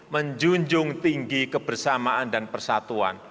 menjunjung tinggi kebersamaan dan persatuan